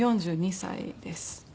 ４２歳です。